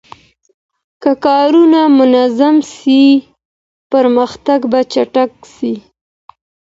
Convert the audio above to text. که کارونه منظم سي پرمختګ به چټک سي.